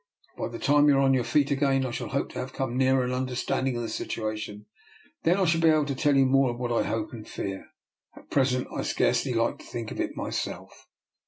By the time you are on your feet again I shall hope to have come nearer an understanding of the situation. Then I shall be able to tell you more of what I hope and fear. At present I scarcely like to think of it myself."